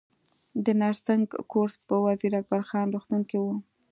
د نرسنګ کورس په وزیر اکبر خان روغتون کې و